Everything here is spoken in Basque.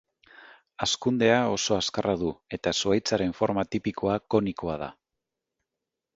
Hazkundea oso azkarra du eta zuhaitzaren forma tipikoa konikoa da.